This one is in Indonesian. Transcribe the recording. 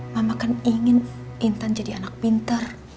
mama kan ingin intan jadi anak pintar